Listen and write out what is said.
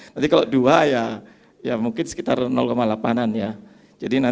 nanti kalau dua ya mungkin sekitar delapan an ya